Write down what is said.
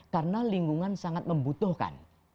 karena lingkungan sangat membutuhkan